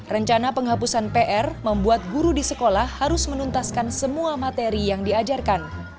rencana penghapusan pr membuat guru di sekolah harus menuntaskan semua materi yang diajarkan